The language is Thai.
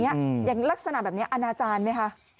อย่างเงี้ยอย่างลักษณะแบบเนี้ยอันอาจารย์ไหมคะ